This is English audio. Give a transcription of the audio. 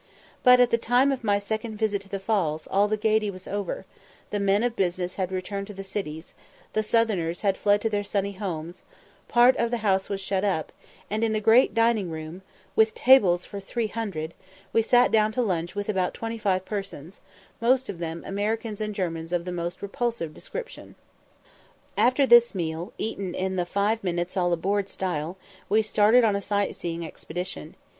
But at the time of my second visit to the Falls all the gaiety was over; the men of business had returned to the cities, the southerners had fled to their sunny homes part of the house was shut up, and in the great dining room, with tables for three hundred, we sat down to lunch with about twenty five persons, most of them Americans and Germans of the most repulsive description. After this meal, eaten in the "five minutes all aboard" style, we started on a sight seeing expedition.